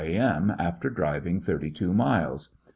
^'^ after driving thirty two miles.